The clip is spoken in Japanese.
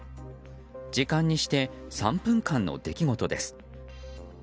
時間にして３分間の出来事です。